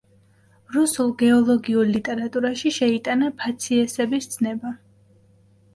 რუსულ გეოლოგიურ ლიტერატურაში შეიტანა ფაციესების ცნება.